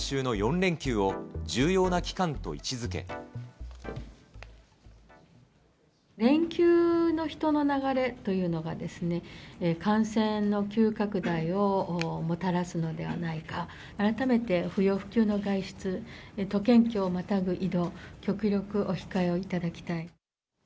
連休の人の流れというのがですね、感染の急拡大をもたらすのではないか、改めて不要不急の外出、都県境をまたぐ移動、極力お控えをいただきたい。